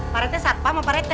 pak rete satpa sama pak rete